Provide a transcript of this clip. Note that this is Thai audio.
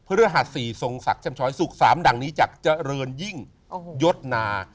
เพื่อรหัสศรีทรงศักดิ์ชำช้อยสุขสามดังนี้จากเจริญยิ่งยดนา